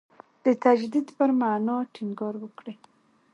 د تجدید پر معنا ټینګار وکړي.